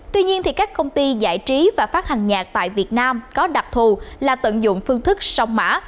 tuy nhiên các công ty giải trí và phát hành nhạc tại việt nam có đặc thù là tận dụng phương thức sông mã